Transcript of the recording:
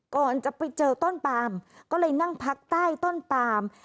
ก่อนจะไปเจอต้นปามก็เลยนั่งพักใต้ต้นปาม